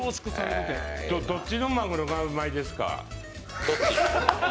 どっちのマグロがうまいですか？